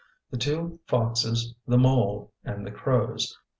_The two Foxes, the Mole, and the Crows.